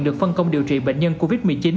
được phân công điều trị bệnh nhân covid một mươi chín